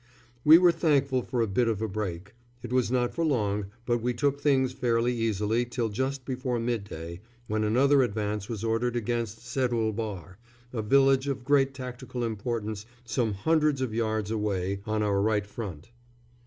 We were thankful for a bit of a break. It was not for long, but we took things fairly easily till just before midday, when another advance was ordered against Seddul Bahr, a village of great tactical importance some hundreds of yards away, on our right front.